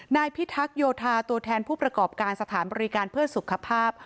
พิทักษ์โยธาตัวแทนผู้ประกอบการสถานบริการเพื่อสุขภาพ